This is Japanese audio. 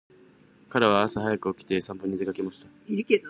彼は朝早く起きて散歩に出かけました。